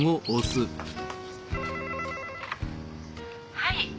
はい。